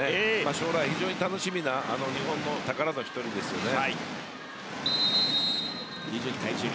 将来、非常に楽しみな日本の宝の１人ですよね。